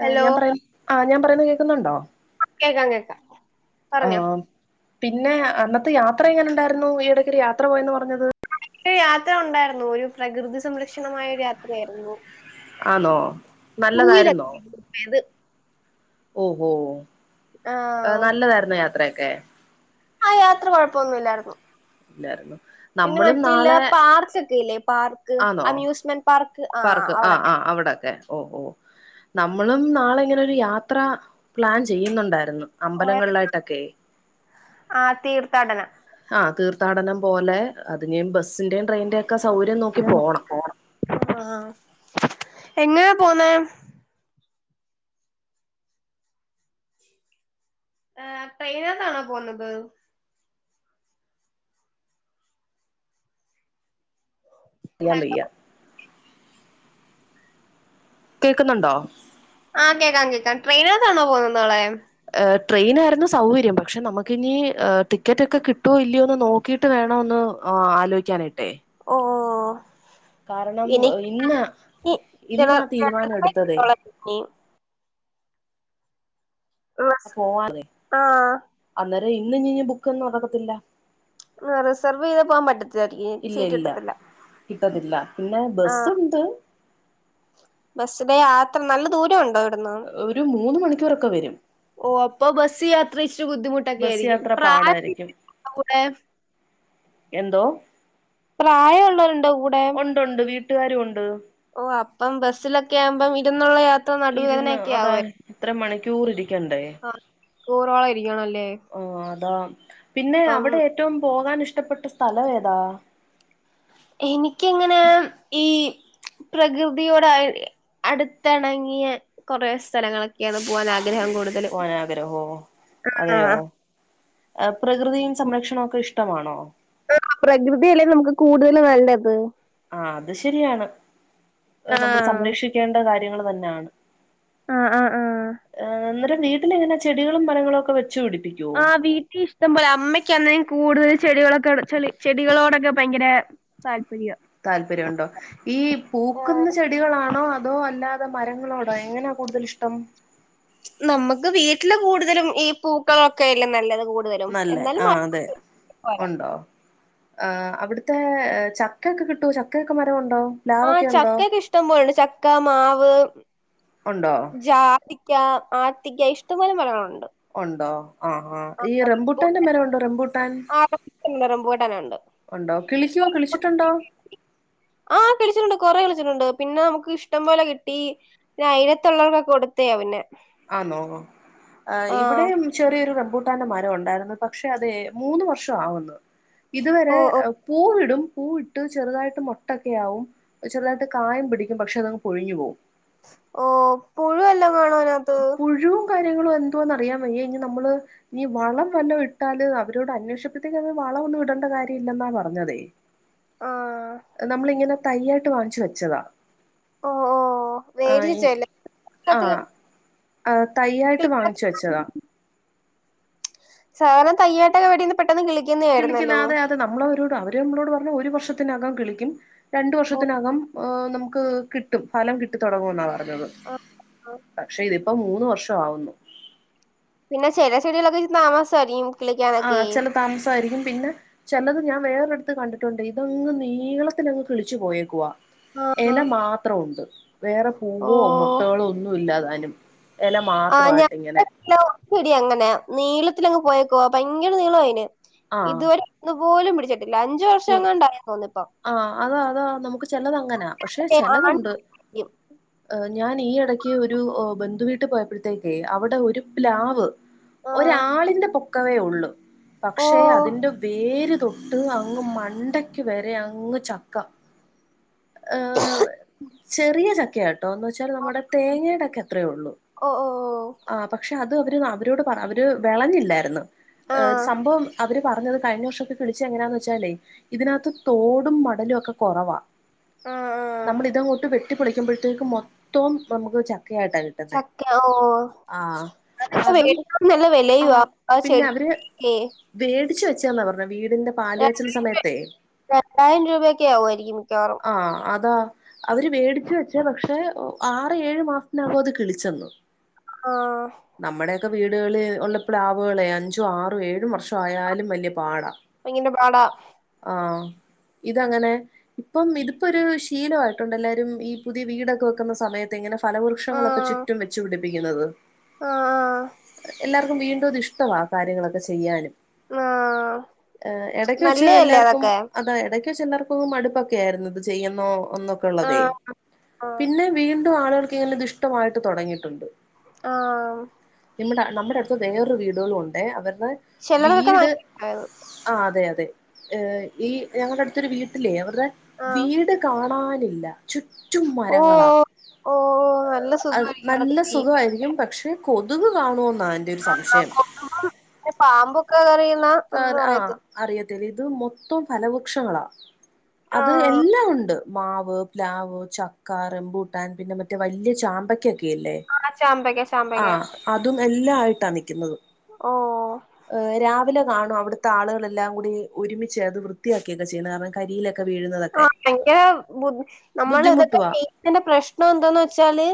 ആഹ്, hello ഞാൻ പറയാം, ആഹ് ഞാൻ പറയുന്നെ കേൾക്കുന്നുണ്ടോ? കേക്കാം കേക്കാം. പറഞ്ഞോ ആഹ്, പിന്നെ അന്നത്തെ യാത്ര എങ്ങനെ ണ്ടായിരുന്നു? ഈയിടയ്ക്കൊരു യാത്ര പോയന്ന് പറഞ്ഞത്? ഒരു യാത്ര ഒണ്ടായ്രുന്നു ഒരു പ്രകൃതി സംരക്ഷണമായൊരു യാത്രയായിരുന്നു ആന്നോ നല്ലതായിരുന്നോ [unintelligible] ഓഹ് ഓഹ് ആഹ് നല്ലതാരുന്നോ യാത്രയൊക്കെ ആഹ് യാത്ര കൊഴപ്പൊന്നുല്ലാരുന്നു ഇല്ലാരുന്നു നമ്മളും നാളെ പാർക്കൊക്കെ ഇല്ലേ പാർക്ക് ആന്നോ അമ്യൂസ്മെന്റ് പാർക്ക് ആ പാർക്ക് ആഹ് അവിടൊക്കെ ആഹ് അവ്ടൊക്കെ ഓഹ് ഓഹ് നമ്മളും നാളെ ഇങ്ങനെരു യാത്രാ പ്ലാൻ ചെയ്യുന്നൊണ്ടായിരുന്നു അമ്പലങ്ങളിലായിട്ടൊക്കെയ് ആഹ് തീർത്ഥാടനം ആഹ് തീർത്‌ഥാടനം പോലെ അതിഞ്ഞീ ബസ്സിന്റേം ട്രെയിൻന്റെക്കെ സൗകര്യം നോക്കി പോണം ആഹ് എങ്ങനാ പോവുന്നേ ആഹ് ട്രെയിനാത്താണോ പോവുന്നത് അറിയാം വെയ്യ കേക്കുന്നോണ്ടോ ആഹ് കേക്കാം കേക്കാം ട്രെയിനാത്താണോ പോവുന്നത് നാളെ ട്രെയിനായിരുന്നു സൗകര്യം പക്ഷെ നമുക്കിനി ടിക്കറ്റൊക്കെ കിട്ട്വോ ഇല്ലയോന്ന് നോക്കി നോക്കീട്ട് വേണോന്ന് ആലോയിക്കാനായിട്ടെയ് ഓഹ് ഇന്ന് ഇന്നാ തീരുമാനം എടുത്തതേ [unintelligible] പോവാനെയ് ആഹ് അന്നേരം ഇന്ന് ഞ്ഞി ഞ്ഞി ബുക്കൊന്നും നടക്കത്തില്ല ആഹ് റിസർവ് ചെയ്ത് പോവാൻ പറ്റത്തിലാരിക്കും ഇനി ഇല്ല സീറ്റ് ഇല്ല കിട്ടത്തില്ല കിട്ടത്തില്ല പിന്നെ ആഹ് ബസ്സോണ്ട് ബസ്സിലെ യാത്ര നല്ല ദൂരോണ്ടോ ഒരു മൂന്ന് മണിക്കൂറൊക്കെ വരും ഓഹ് അപ്പൊ ബസ് യാത്ര ഇച്ചിരി ബുദ്ധിമുട്ടൊക്കെ ബസ് ആയിരിക്കും യാത്ര പാടായിരിക്കും പ്രായമുള്ളൊരുണ്ടോ കൂടെ എന്തോ പ്രായോള്ളോരുണ്ടോ കൂടെ ഉണ്ടുണ്ട് വീട്ടുകാരും ഉണ്ട് ഓഹ് അപ്പം ബസ്സിലൊക്കെ ആവുമ്പം ഇരുന്നുള്ള യാത്ര നടുവേദനയൊക്കെ ആവെയ് എത്ര മണിക്കൂർ ഇരിക്കണ്ടേ മണിക്കൂറോളം ഇരിക്കണല്ലേ ഓഹ് അതാ പിന്നെ അപ്പം അവിടെ എറ്റോം പോകാൻ ഇഷ്ടപ്പെട്ട സ്ഥലോ ഏതാ എനിക്കങ്ങനെ ഈ പ്രകൃതിയോടായി അടുത്തെണങ്ങിയ കുറേ സ്ഥലങ്ങളൊക്കെയാണ് പോവാൻ ആഗ്രഹം കൂടു പോവാൻ ആഗ്രഹോ അതെയോ പ്രകൃതിയും സംരക്ഷണവും ഒക്കെ ഇഷ്ടമാണോ [unintelligible] പ്രകൃതിയല്ലേ നമുക്ക് കൂടുതല് നല്ലത് ആഹ് അത് ശരിയാണ് നമ്മള് ആഹ് സംരക്ഷിക്കേണ്ട കാര്യങ്ങള് തന്നാണ് ആഹ് ആഹ് ആഹ് ആഹ് അന്നരം വീട്ടിലെങ്ങന ചെടികളും മരങ്ങളും ഒക്കെ വെച്ച് പിടിപ്പി ആഹ് വീട്ടിൽ ഇഷ്ടം പോലെ അമ്മയ്ക്ക് [unintelligible] കൂടുതല് ചെടികളൊക്കൊട് ചെളി ചെടികളോടൊക്കെ ഭയങ്കരെ താല്പര്യം താല്പര്യം ഉണ്ടോ ഈ ആഹ് പൂക്കുന്ന ചെടികളാണോ അതോ അല്ലാ ത്ത മരങ്ങളോടോ എങ്ങനാ കൂടുതലിഷ്ടം നമ്മുക്ക് വീട്ടില് കൂടുതലും ഈ പൂക്കളൊക്കെല്ലെ നല്ലത് കൂ നല്ലേ ആഹ് അതെ ഉണ്ടോ ആഹ് അവിടുത്തെ ചക്കൊയൊക്കെ കിട്ടോ ചക്കയൊക്കെ മരം ഉണ്ടോ ആഹ് പ്ലാവൊക്കെ ഉണ്ടോ ചക്കയൊക്കെ ഇഷ്ടം പോലുണ്ട് ചക്ക മാവ് ഉണ്ടോ ജാതിക്ക ആത്തിക്ക ഇഷ്ടം പോലെ മരങ്ങളൊണ്ട് ഉണ്ടോ ആഹ് ആഹ് ഈ റംബൂട്ടാന്റെ മരം ഉണ്ടോ റംബൂട്ടാൻ റംമ്പൂട്ടാനൊണ്ട് ഉണ്ടോ കിളിക്കുവോ കിളിച്ചിട്ടുണ്ടോ ആഹ് കളിച്ചിട്ടുണ്ട് കുറെ കളിച്ചിട്ടുണ്ട് പിന്നെ നമ്മുക്ക് ഇഷ്ടം പോലെ കിട്ടി പിന്നെ അയലത്തുള്ളവർക്കൊക്കെ കൊടുത്തയ പിന്നെ ആന്നോ ആഹ് ഇവിടെയും ചെറിയൊരു റംമ്പൂട്ടാൻ്റെ മരം ഉണ്ടായിരുന്നു പക്ഷെ അതെ മൂന്ന് വർഷം ആവുന്നു ഇതുവരെ ഓഹ് ഓഹ് പൂവിടും പൂവിട്ട് ചെറുതായിട്ട് മൊട്ടൊക്കെ ആവും ചെറുതായിട്ട് കായം പിടിക്കും പക്ഷെ അതങ്ങ് പൊഴിഞ്ഞു പോവും ഓ പുഴുവല്ലോം കാണോ അതി- പുഴുവും കാര്യങ്ങളും എന്തുവാന്ന് അറിയാൻ വയ്യ ഇനി നമ്മള് ഇനീ വളം വല്ലോ ഇട്ടാല് അവരോട് അന്വേഷിച്ചപ്പഴത്തേക്ക് അങ്ങ് വളവൊന്നും ഇടേണ്ട കാര്യം ഇല്ലെന്നാ പറഞ്ഞതേ ആഹ് നമ്മളിങ്ങനെ തയ്യായിട്ട് വാങ്ങിച്ചു വെച്ചതാ ഓ ഓ ആഹ് ഈ വേടിച്ചല്ലേ ആഹ് ആഹ് തയ്യായിട്ട് വാങ്ങിച്ചു വെച്ചതാ സാധനം തയ്യായ്യിട്ടാ വേടീ- കളിക്കുന്നെ അതെ അതെ നമ്മളവരോട് അവര് നമ്മളോട് പറഞ്ഞ ഒരു വർഷത്തിനകം കിളിക്കും രണ്ട് ഓ വർഷത്തിനകം ഓഹ് നമ്മുക്ക് കിട്ടും ഫലം കിട്ടി തുടങ്ങും എന്നാ പറഞ്ഞത് ആ ആ പക്ഷെ ഇത് ഇപ്പം മൂന്ന് വർഷമാവുന്ന് പിന്നെ ചില ചെടികളൊക്കെ താമസമായിരിക്കും കിളിക്കാനൊക്കെ ആഹ് ചില താമസമായിരിക്കും പിന്നെ ചിലത് ഞാൻ വേറെടുത്ത് കണ്ടിട്ടുണ്ട് ഇതങ്ങ് നീളത്തിൽ അങ്ങ് കിളിച്ചു പോയേക്കുവ ആഹ് ഇല മാത്രം ഉണ്ട് വേറെ ഓ പൂവോ മൊട്ടുകളോ ഒന്നും ഇല്ലാതാനും ഇല ആഹ് മാത്രമായിട്ട് ഇങ്ങനെ [unintelligible] ചെടി അങ്ങനെയാ നീളത്തിലങ്ങ് പോയേക്കുവാ ഭയങ്കര നീളാ അതിന് ഇതുവരെ ഒന്ന് പോലും പിടിച്ചിട്ടില്ല അഞ്ച് ആഹ് അതാ അതാ നമ്മുക്ക് ചിലതങ്ങനാ പക്ഷെ ഏ ആൺ ചിലതുണ്ട് ഞാൻ ഈ ഇടയ്ക്ക് ഒരു ബന്ധുവീട്ടിൽ പോയപ്പോഴത്തേക്കെ അവിടെ ഒരു പ്ലാവ് ആഹ് ഒരാളിന്റെ പൊക്കവേ ഉള്ളു ഓ പക്ഷെ അതിന്റെ വേര് തൊട്ട് അങ്ങ് മണ്ടക്ക് വരെ അങ്ങ് ചക്ക ഹ് ചെറിയ ചക്കയാണ് ട്ടോന്ന് വെച്ചാൽ നമ്മുടെ തേങ്ങേടൊക്കെ ത്രയേള്ളു ഓ ഓ ഓ ആ പക്ഷെ അത് അവര് അവരോട് പറ അവർ വെളഞ്ഞില്ലായിരുന്നു ആഹ് സംഭവം അവര് പറഞ്ഞത് കഴിഞ്ഞ വർഷമൊക്കെ പിടിച്ചെ എങ്ങനാന്ന് വെച്ചാലേ ഇതിനകത്ത് തോടും മടലും ഒക്കെ കുറവാ ആഹ് ആഹ് നമ്മളിതങ്ങോട്ട് വെട്ടിപൊളിക്കുമ്പോഴത്തേക്ക് മൊത്തം നമുക്ക് ചക്കയായിട്ടാ കിട്ട ചക്ക ഓ അതൊക്കെ അതും വേടുക്കുമ്പോ നല്ല വിലയുവാ ആ ചെടി ക്കേ വേടിച്ചു വെച്ചാന്നാ പറഞ്ഞ വീടിന്റെ പാല് കാച്ചൽ സമയത്തെ രണ്ടായിരം രൂപയൊക്കെ ആകുമായിരിക്കും മിക്കവാറും ആ അതാ അവര് വേടിച്ച് വെച്ചേ പക്ഷെ ആറ് ഏഴ് മാസത്തിനകോ അത് കിളിച്ചെന്ന് ആഹ് നമ്മടെ ക്കെ വീടുകളിൽ ഉള്ള പ്ലാവുകളെ അഞ്ചു ആറു ഏഴും വർഷം ആയാലും വല്യ പാടാ തെങ്ങിൻ്റെ പാടാ ആഹ് ഇതങ്ങനെ പ്പം ഇതിപ്പൊരു ശീലമായിയിട്ടുണ്ട് എല്ലാരും ഈ പുതിയ വീടൊക്കെ വെക്കുന്ന സമയത്തിങ്ങനെ ഫലവൃക്ഷങ്ങളൊക്കെ ആഹ് ചുറ്റും വെച്ചു പിടിപ്പിക്കുന്നത് ആഹ് എല്ലാർക്കും വീണ്ടും ഇത് ഇഷ്ടവാ കാര്യങ്ങളൊക്കെ ചെയ്യാനും ആഹ് ഏ എടക്ക് വെച്ച് നല്ലയല്ലേ എല്ലാർക്കും അതൊക്കെ അതാ ഇടക്ക് വെച്ചല്ലാർക്കും മടുപ്പൊക്കെ ക്കെയാർന്നു ത്ചെയ്യുന്നോ ഒന്നൊക്കെള്ളതെ ആഹ് ആഹ് പിന്നെ വീണ്ടും ആളുകൾ ണത് ഇഷ്ടമായിട്ട് തൊടങ്ങിയിട്ടുണ്ട് ആഹ് നമ്മുടെ നമ്മുടെ അടുത്ത് വേറൊരു വീടുകളുണ്ടെ അവർടെ ചെലർക്കൊക്കെ വീട് ഭയങ്കരായത് ആ അതെ അതെ ഈ ഞങ്ങളുടെ അടുത്തൊരു വീട്ടിലേ അവരുടെ ആഹ് വീട് കാണാനില്ല ചുറ്റും മരങ്ങളാ ഓഹ് ഓഹ് നല്ല അഹ് സുഖായിരിക്കും നല്ല അവിടൊക്കെ ജീവിക്കാൻ സുഖമായിരിക്കും പക്ഷെ കൊതുക്ക് കാണോന്നാ ൻ ആഹ് കൊതുകും പാമ്പൊക്കെ കറിയുന്ന ഒന്നും ആ അറിയത്തില്ല അറിയത്തില്ല ഇത് മൊത്തം ഫലവൃക്ഷങ്ങളാ അത് എ ആഹ് എല്ലാം ഉണ്ട് മാവ് പ്ലാവ് ചക്കാ റെമ്പൂട്ടാൻ പിന്നെ മറ്റേ വല്യ ചാമ്പക്കയൊക് - ക്കെയില്ലേ, ആഹ് ചാമ്പയ്ക്ക ചാമ്പയ്ക്ക ആഹ് അതും എല്ലാ ആയിട്ടാ നിക്കുന്നത് ഓഹ് [unintelligible] ഹ് രാവിലെ കാണും അവിടുത്താളുകളെല്ലാം കൂടി ഒരുമിച്ച് അത് വൃത്തിയാക്കിയൊക്കെ ചെയ്യണം കാരണം കരിയിലൊക്ക ആ എന്റെ ബുദ്ധി നമ്മൾ ഇതൊക്കെ ബുദ്ധിമുട്ടുവാ ചെയ എന്റെ പ്രശ്നം എന്താന്ന് വെച്ചാല്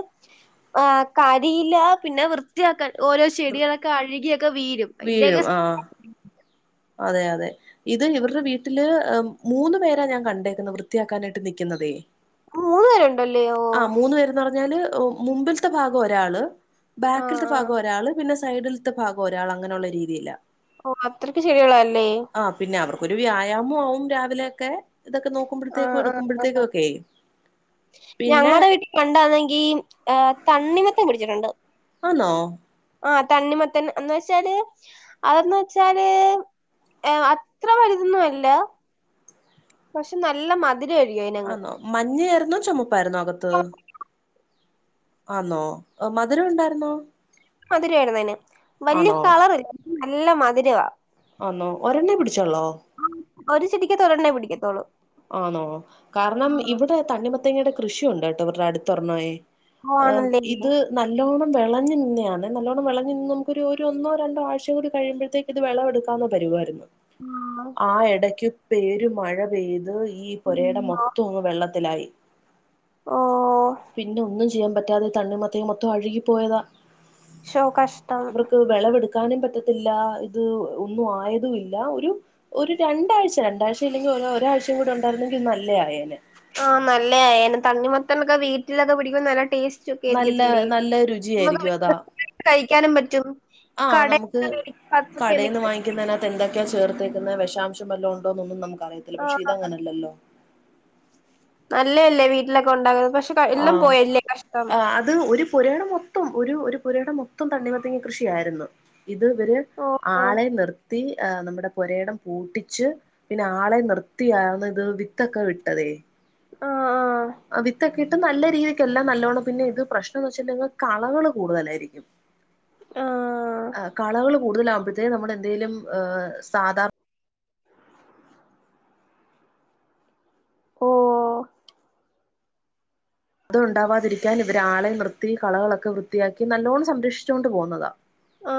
ആ കരിയില പിന്നെ വൃ ത്തിയാക്കൽ ഓരോ ചെടികളൊക്കെ അഴുകിയൊക്കെ വീഴും അയ്ന്റെയൊക്കെ വീഴും ആഹ് അതെ അതെ ഇത് ഇവരുടെ വീട്ടില് മൂന്നു പേരാ ഞാൻ കണ്ടേക്കുന്നെ വൃത്തിയാക്കാനായിട്ട് നിക്കുന്നതേ മൂന്ന് പേരുണ്ടല്ലേ ഓ ആഹ് മൂന്ന് പേരന്ന് പറഞ്ഞാല് മുമ്പിൽത്ത ഭാഗം ഒരാള് ആ ബാക്കിൽത്ത ആ ഭാഗം ഒരാള് പിന്നെ സൈഡിൽത്തെ ഭാഗം ഒരാളങ്ങനെയുള്ള രീതിയില ഓ അത്രക്ക് ചെടികളാ ല്ലേ ആഹ് പിന്നെ അവർക്കൊരു വ്യായാമു ആവും രാവിലെയൊക്കെ ഇതൊക്കെ ആ നോക്കുമ്പോഴത്തേക്കും ആ ആ എടുക്കുമ്പോഴത്തേക്കും ഒക്കെയയി പിന്നെ ഫ്രണ്ട് ആണെങ്കിൽ തണ്ണിമത്തൻ പിടിച്ചിട്ടുണ്ട് ആണോ ആഹ തണ്ണി മത്തൻ എ വെച്ചാല് അതന്ന് വെച്ചാല് ഏ അത്ര വലുതൊന്നും അല്ല പക്ഷെ നല്ല മധുരം ആയിരിക്കും അയിനങ്ങ് മഞ്ഞയരുന്നോ ചുമപ്പായിന്നോ അകത്ത് ആന്നോ മധുരം ഉണ്ടായിരുന്നോ മധുരമായിന്നതിന് വലിയ ആണോ കളറല്ല നല്ല മധുരവാ ആന്നോ ഒരെണ്ണ പിടിച്ചോളോ ഒരു [unintelligible] പിടിക്കത്തോളൂ ആണോ കാരണം ആഹ് ഇവിടെ തണ്ണിമത്തങ്ങയുടെ കൃഷിയുണ്ട് കേട്ടോ ഇവരുടെ അടുത്തൊർണ് ഓ ആഹ ആണല്ലേ ഇത് നല്ലോണ്ണം വിളഞ്ഞ നിന്നതാണ് നല്ലണ്ണം വിളഞ്ഞ നിന്ന് നമുക്ക് ഒരു ഒരു ഒന്നോ രണ്ടോ ആഴ്ചയും കൂടി കഴിയുമ്പഴത്തേക്ക് ഇത് വെളം [unintelligible] എടുക്കാന്ന പരികായിരുന്നു ഉം [unintelligible] ആ എടയ്ക്ക് പേരു മഴ പെയ്ത് ഈ പൊരയുടെ അയ്യോ. മൊത്തം ഒന്ന് വെള്ളത്തിലായി ഓ പിന്നെ ഒന്നും ചെയ്യാൻ പറ്റാതെ തണ്ണി മത്തേ മൊത്തം അഴുകി പോയതാ ശഷോ കഷ്ടം അവർക്ക് വിളവെടുക്കാനും പറ്റത്തില്ല ഇത് ഒന്നും ആയതുംല്ല ഒരു ഒരു രണ്ടാഴ്ച രണ്ടാഴ്ച ഇല്ലെങ്കിൽ ഒരാഴ്ചയും കൂടി ഉണ്ടായിരുന്നെങ്കിൽ ഇത് നല്ല ആയായേന് ആഹ് നല്ലെ തണ്ണിമത്തൻ ഒക്കെ വീട്ടിലൊക്കെ പിടിക്ക്പോ നല്ല ടേസ്റ്റ് നല്ല [unintelligible] നല്ല രുചിയായിരിക്കും അതാ നമുക്ക് കഴിക്കാനും പറ്റും കടന്ന് മേടിക്കുന്നത് കെമിക്കൽ ഒക്കെ അതിനകത്ത് എന്തൊക്കെയാ ചേർത്തേക്കുന്ന വിഷാംശം എല്ലോ ഉണ്ടോന്നൊന്നും നമുക്ക് ആ അറിയത്തില്ലക്ഷെ ഇ അങ്ങനെയല്ലോ നല്ലയല്ലേ വീട്ടിലൊക്കെ ഉണ്ടാകുന്നത് പക്ഷെ ക ആ എല്ലാം പോയല്ലേ കഷ്ടം ആ അത് ഒരു പുരയിടം മൊത്തം മൊത്തം ഒരു ഒരു പുരയുടെ മൊത്തം തണ്ണിമത്തങ്ങ കൃഷിയായിരുന്നു ഇത് ഇവര് ഓ ഓ ആളെ നിർത്തി ആ നമ്മുടെ പൊരയിടം പൂട്ടിച്ച് പിന്നെ ആളെ നിർത്തിയാണ് ഇത് വിത്തൊക്കെ വിട്ടത് ആ ആഹ വിത്തൊക്കെഇട്ട് നല്ല രീതിക്കെല്ലാം നല്ലോണം പിന്നെ ഇത് പ്രശ്നംന്ന് വെച്ചിട്ടുള്ളെ കളകള് കൂടുതലായിരിക്കും ആ കളകള് കൂടുതലവുമ്പഴ്തേ നമ്മുടെ എന്തെലും ഏ സാധാരണ ഓ ത് ഉണ്ടാവാതിരിക്കാൻ ഇവരാളെ നിർത്തി കളകളൊക്കെ വൃത്തിയാക്കി നല്ലോണ്ണം സംരക്ഷിച്ചോണ്ട് പോകുന്നതാ ആ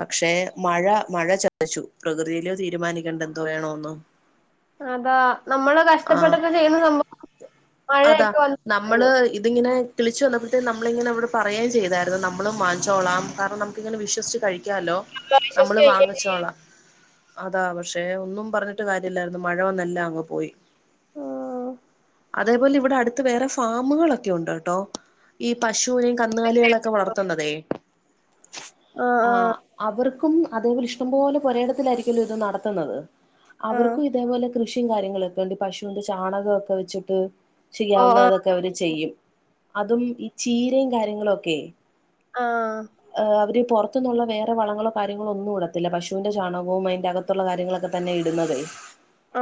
പക്ഷെ മഴ മഴ ചതിച്ചു പ്രകൃതിയല്ലോ തീരുമാനിക്കണ്ട് എന്തോ വേണോന്ന് ആഹ് അതാ [unintelligible] നമ്മള് ഇതിങ്ങനെ കിളിച്ചു വന്നപ്പോത്തേ നമ്മളിങ്ങനെ അവടെ പറയുയാ ചെയ്തായിരുന്നു നമ്മളും വാങ്ങിച്ചോളാം കാരണം ങ്ങനെ വിശ്വസിച്ച് കഴിക്കാലോ ആ, നമ്മള് വിശ്വസിച്ച് കഴിക്കുകയും വാങ്ങച്ചോള ചെയ്യും അതാ പക്ഷെ ഒന്നും പറഞ്ഞിട്ട് കാര്യല്ലായിരുന്നു മഴ വന്ന് എല്ലാം അങ്ങ് പോയി അതേപോലെ ഇവിടെ വേറെ ഫാമുകളൊക്കെ ഉണ്ട് കേട്ടോ ഈ പശുവിനെയും കന്നുകാലികളൊക്കെ വളർത്തുന്നതെ ആഹ് അവർക്കും അതേ ഇഷ്ടംപോലെ പൊരയിടത്തിലായിരിക്കല്ലോ ഇത് നടത്തുന്നത് ആഹ് അവർക്കും ഇതേപോലെ കൃഷിയും കാര്യങ്ങളൊക്കെണ്ട് പശുവിന്റെ ചാണകൊക്കെ വെച്ചിട്ട് ആഹ് ചെയ്യാവുന്നത് അവര് ചെയ്യും അതും ഈ ചീരയും കാര്യങ്ങളും ഒക്കെ ആഹ് അവര് പൊ അത്ത നിന്നുള്ള വേറെ വളങ്ങളോ കാര്യങ്ങളോ ഒന്നും ഇടത്തില്ല പശുവിന്റെ ചാണകവും അയിന്റെ അകത്തുള്ള കാര്യങ്ങളൊക്കെ തന്നെ ഇടുന്നത്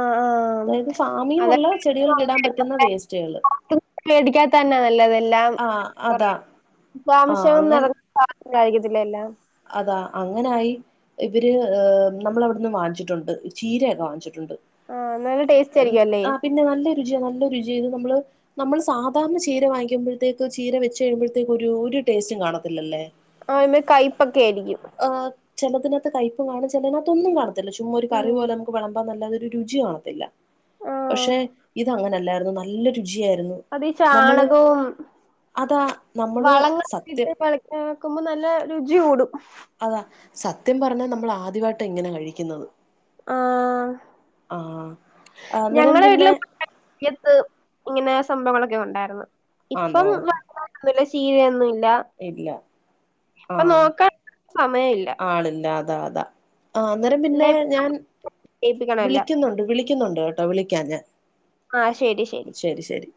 ആഹ് ആഹ് ഫാമിന്നുള്ള ചെടികൾ ഇടാൻ പറ്റുന്ന വേസ് പേടിക്കാത്തന്നെയ നല്ലതെല്ലാം ആ കൊറെ അതാ ആ താമസങ്ങള അങ്ങൻ നട [unintelligible] അതാ അങ്ങനായി ഇവര് നമ്മളവിടുന്ന് വാങ്ങിച്ചിട്ടുണ്ട് ചീരയാരുന്ന് വാങ്ങിച്ചിട്ടു ആഹ് നല്ല ടേസ്റ്റ് ആയിരിക്കും അല്ലേ ആ പിന്നെ നല്ലരുചിയ നല്ല രുചിയാ ഇത് നമ്മള് നമ്മള് സാധാരണ ചീര വാങ്ങിക്കുമ്പോഴത്തേക്ക് ചീര വെച്ച കഴിയുമ്പോഴത്തേക്ക് ഒരു ഒരു ടേസ്റ്റും കാണത്തില്ലല്ലേ ആ ആയിമ്മെ കൈപ്പൊക്കെയിരിക്കും ആ ചെലത്തിനകത്ത് കൈപ്പ് കാണും ചെലത്തിനകത്ത് ഒന്നും കാണത്തില്ല ചുമ്മാ ഒരു കറി ഉം പോലെ നമുക്ക് വെളംബന്നല്ലാതെ രുചി കാണത്തില്ല ആഹ് പക്ഷെ ഇത് അങ്ങനെല്ലായിരുന്നു നല്ല രുചിയായിരുന്നു അത് ഈ നമ്മള് ചാണകോം അതാ നമ്മള് വളങ്ങളക്കെട്ട് സത്യം ങ്ങനെ വെക്കുമ്പോ നല്ല രുചി കൂടും അതാ സത്യം പറഞ്ഞാ നമ്മള് ആദ്യവായിട്ടാ ഇങ്ങനെ കഴിക്കുന്നത് ആഹ് ആഹ് അന്നേരം പിന്നെ [unintelligible] ങ്ങനെ സ്വന്തം [unintelligible] ഇപ്പൊ [unintelligible] ആന്നോ ല്ല [unintelligible] ഒന്നുല്ല ഇല്ല ആഹ് സമയമില്ല ആളില്ല അതാ അതാ ആ അന്നേരം പിന്നെ അല്ലെ ഞാൻ ചെയ്യിപ്പിക്കണം എല്ലാം വിളിക്കുന്നുണ്ട് വിളിക്കുന്നുണ്ട് കേട്ടോ വിളിക്കാ ഞാൻ ആഹ് ശരി ശരി ശരി ശരി